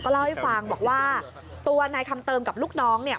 เล่าให้ฟังบอกว่าตัวนายคำเติมกับลูกน้องเนี่ย